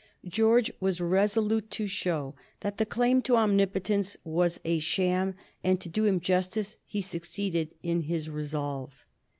George was resolute to show that the claim to omnipotence was a sham, and, to do him justice, he succeeded in his resolve.